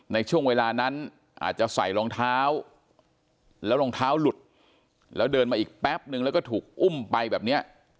ในช่วงเวลานั้นอาจจะใส่รองเท้าแล้วรองเท้าหลุดแล้วเดินมาอีกแป๊บนึงแล้วก็ถูกอุ้มไปแบบเนี้ย